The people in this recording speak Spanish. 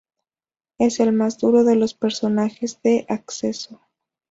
Es el más duro de los personajes de acceso".